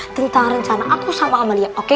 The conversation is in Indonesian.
cerita rencana aku sama amalia oke